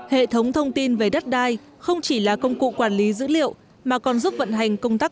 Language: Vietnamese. hệ thống thông tin về đất đai không chỉ là công cụ quản lý dữ liệu mà còn giúp vận hành công tác